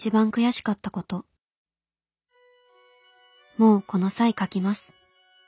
「もうこの際書きます。